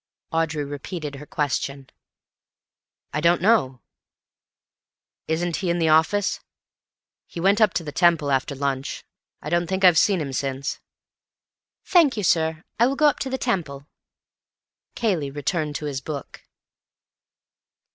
Audrey repeated her question. "I don't know. Isn't he in the office? He went up to the Temple after lunch. I don't think I've seen him since." "Thank you, sir. I will go up to the Temple." Cayley returned to his book.